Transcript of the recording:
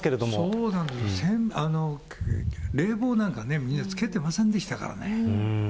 そうなんです、冷房なんかね、みんなつけてませんでしたからね。